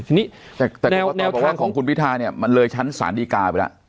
ทีนี้แนวทางแต่ต่อบอกว่าของคุณพิทาเนี่ยมันเลยชั้นสารดีการไปแล้ว